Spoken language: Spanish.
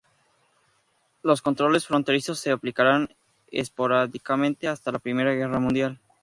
Los controles fronterizos se aplicaron esporádicamente hasta la Primera Guerra Mundial.